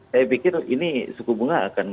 saya pikir ini suku bunga akan